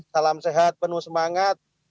salam sehat penuh semangat